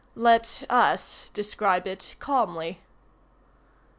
Let us describe it calmly.